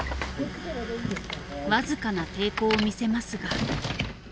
わずかな抵抗を見せますが。